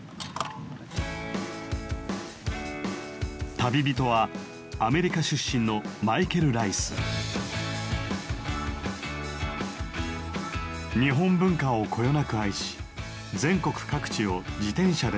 旅人はアメリカ出身の日本文化をこよなく愛し全国各地を自転車で旅してきました。